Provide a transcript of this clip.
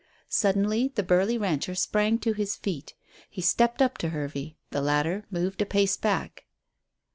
Suddenly the burly rancher sprang to his feet. He stepped up to Hervey. The latter moved a pace back.